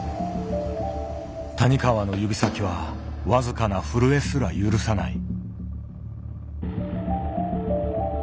谷川の指先は僅かな震えすら許さない。